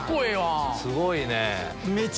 すごいね。